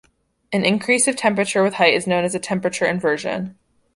An increase of temperature with height is known as a temperature inversion.